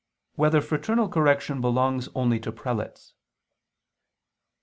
3] Whether Fraternal Correction Belongs Only to Prelates?